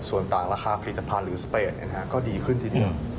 ส่วนต่างราคาผลิตภัณฑ์หรือสเปนก็ดีขึ้นทีเดียว